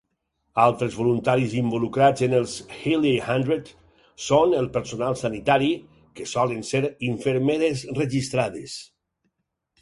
Altres voluntaris involucrats en els Hilly Hundred són el personal sanitari, que solen ser infermeres registrades.